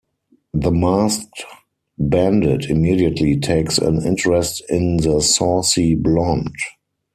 The masked bandit immediately takes an interest in the saucy blonde.